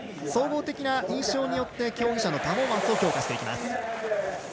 総合的な印象によって競技者のパフォーマンスを評価します。